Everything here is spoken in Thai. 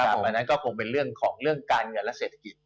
อันนั้นก็คงเป็นเรื่องของเรื่องการเงินและเศรษฐกิจ